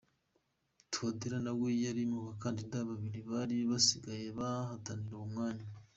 Touadera nawe yari mu bakandida babiri bari basigaye bahatanira uwo mwanya.